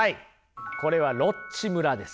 これはロッチ村です。